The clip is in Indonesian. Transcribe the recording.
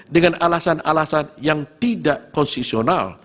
dengan alasan alasan yang tidak konstitusional